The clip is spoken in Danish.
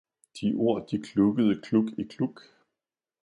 de ord de klukkede kluk i kluk.